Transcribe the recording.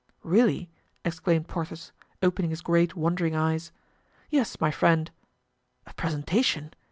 really!" exclaimed Porthos, opening his great wondering eyes. "Yes, my friend." "A presentation?